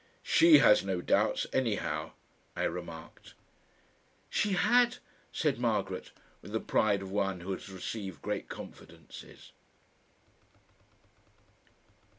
"SHE has no doubts, anyhow," I remarked. "She HAD," said Margaret with the pride of one who has received great confidences.